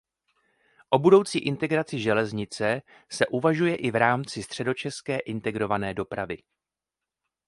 O budoucí integraci železnice se uvažuje i v rámci Středočeské integrované dopravy.